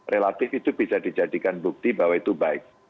relatif itu bisa dijadikan bukti bahwa itu baik